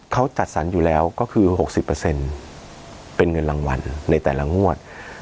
เขาจัดสรรอยู่แล้วก็คือ๖๐เป็นเงินรางวัลในแต่ละงวด